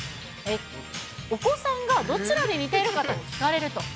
お子さんがどちらに似ているかと聞かれると。